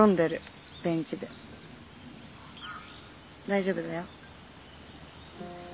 大丈夫だよ。